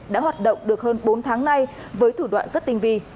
đã hoạt động được hơn bốn tháng nay với thủ đoạn rất tinh vi